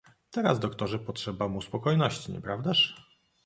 "Teraz, doktorze, potrzeba mu spokojności, nieprawdaż?"